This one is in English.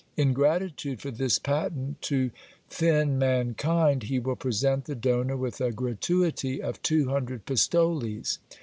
In gratitude for this patent to thin mankind, he will present the donor with a gratuity of two hundred pistoles.